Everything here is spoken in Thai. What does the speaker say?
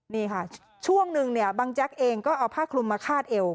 นี่ค่ะช่วงนึงเนี่ยบังแจ๊กเองก็เอาผ้าคลุมมาคาดเอว